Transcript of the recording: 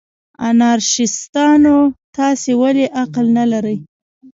انارشیستانو، تاسې ولې عقل نه لرئ؟